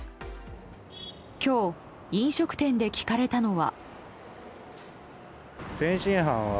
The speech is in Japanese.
今日、飲食店で聞かれたのは。